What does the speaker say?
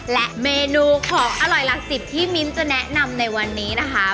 และเมนูของอร่อยหลักสิบที่มิ้นจะแนะนำในวันนี้นะคะ